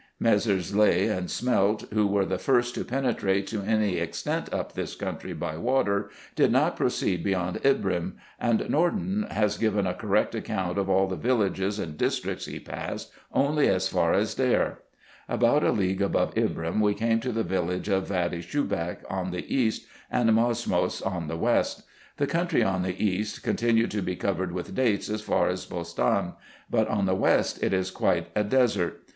Messrs. Legh and Smelt, who were the first to penetrate to any extent up this country by water, did not proceed beyond Ibrira ; and Norden has given a correct account of all the villages and districts he passed only as far as Deir. About a league above Ibrim we came to the village of Vady Shubak on the east, and Mosmos on the west. The country on the east continued to be covered with dates as far as Bostan, but on the west it is quite a desert.